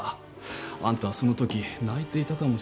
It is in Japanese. あんたはそのとき泣いていたかもしれない